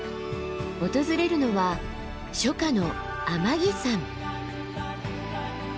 訪れるのは初夏の天城山。